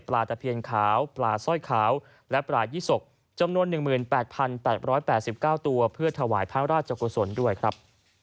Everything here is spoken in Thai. ตะเพียนขาวปลาสร้อยขาวและปลายี่สกจำนวน๑๘๘๙ตัวเพื่อถวายพระราชกุศลด้วยครับ